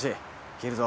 切るぞ。